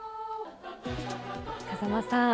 風間さん